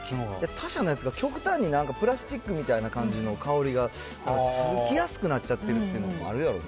他社のやつが極端になんかプラスチックみたいな感じの香りがつきやすくなっちゃってるのもあるやろな。